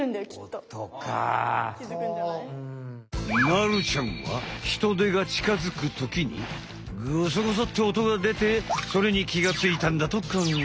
まるちゃんはヒトデがちかづくときにゴソゴソって音がでてそれに気がついたんだとかんがえた。